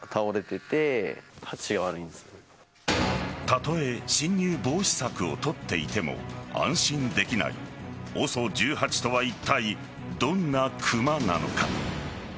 たとえ侵入防止策をとっていても安心できないＯＳＯ１８とはいったいどんなクマなのか。